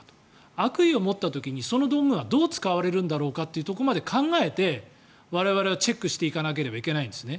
悪意を持った時にその道具はどう使われるんだろうかというところまで考えて、我々はチェックしていかなければいけないんですね。